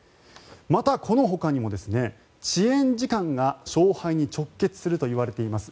またこのほかにも遅延時間が勝敗に直結するといわれています